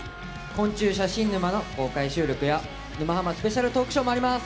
昆虫写真沼の公開収録や沼ハマスペシャルトークショーもあります。